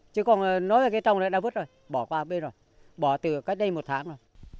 chứ còn nói về cây trồng này đã vứt rồi bỏ qua bên rồi bỏ từ cách đây một tháng rồi